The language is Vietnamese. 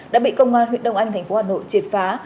đã bị công an huyện đông anh tp hà nội triệt phá